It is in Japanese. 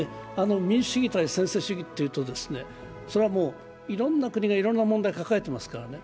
民主主義対専制主義というといろんな国がいろんな問題を抱えてますからね。